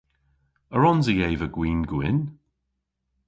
A wrons i eva gwin gwynn?